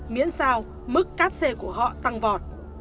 miễn sao mức cát xê của họ tăng vọt